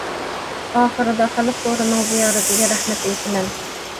ئاخىرىدا خەلق تورىنىڭ زىيارىتىگە رەھمەت ئېيتىمەن.